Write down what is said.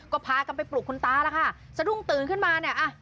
ก็พากันไปปลุกคุณตาแล้วค่ะสะดุ้งตื่นขึ้นมาเนี่ยอ่ะ